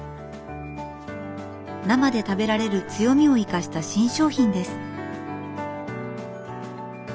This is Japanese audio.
生で食べられる強みを生かした新商品です。